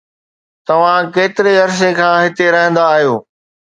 توهان ڪيتري عرصي کان هتي رهندا آهيو؟